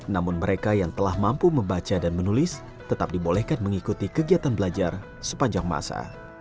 namun mereka yang telah mampu membaca dan menulis tetap dibolehkan mengikuti kegiatan belajar sepanjang masa